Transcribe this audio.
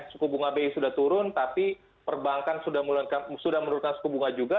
suku bunga bi sudah turun tapi perbankan sudah menurunkan suku bunga juga